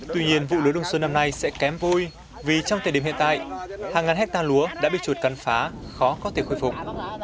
tuy nhiên vụ lúa đông xuân năm nay sẽ kém vui vì trong thời điểm hiện tại hàng ngàn hectare lúa đã bị chuột cắn phá khó có thể khôi phục